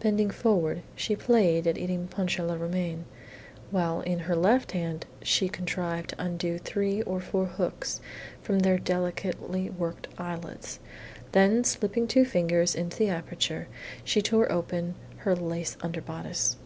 Bending forward, she played at eating Punch à la Romaine, while with her left hand she contrived to undo three or four hooks from their delicately worked eyelets. Then, slipping two fingers into the aperture, she tore open her lace underbodice.